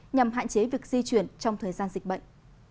nhằm hạn chế việc di chuyển trong thời gian dịch bệnh